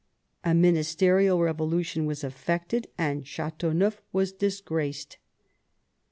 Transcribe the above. A ministerial revolution was effected, and Ch^teauneuf was disgraced.